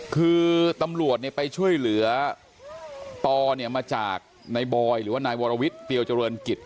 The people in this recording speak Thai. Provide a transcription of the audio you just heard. คือตำรวจไปช่วยเหลือปอเนี่ยมาจากนายบอยหรือว่านายวรวิทย์เตียวเจริญกิจ